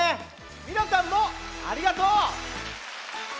ミラたんもありがとう。